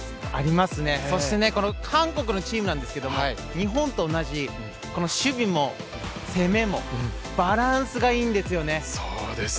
ありますね、そして韓国のチームなんですけど日本と同じ、守備も攻めもバランスがいいんですよね。